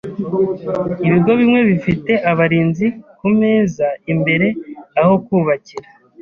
Ibigo bimwe bifite abarinzi kumeza imbere aho kubakira.